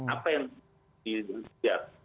apa yang di lihat